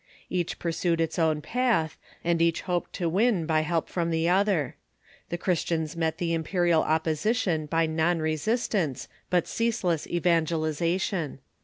Each pursued its own path, and each hoped to w^n by help from the other. The Christians met the imperial opposition by non resistance but ceaseless evangelization.